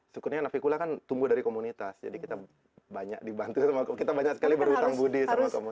syukurnya nafikul kan tumbuh dari komunitas jadi kita banyak dibantu sama kita banyak sekali berhutang budi sama komunitas